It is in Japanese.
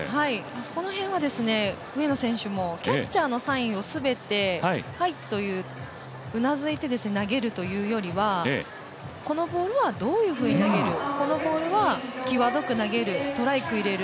そこな辺は上野選手はキャッチャーのサインを全てハイといううなずいて投げるというよりはこのボールはどういうふうに投げる、このボールは際どく投げるストライク入れる。